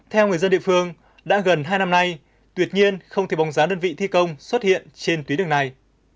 theo người dân địa phương đã gần hai năm nay tuyệt nhiên không thể bóng giá đơn vị thi công xuất hiện trên tuyến đường này